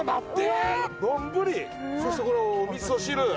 丼そしてこのおみそ汁。